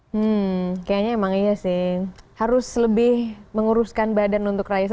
hmm kayaknya emang iya sih harus lebih menguruskan badan untuk raisa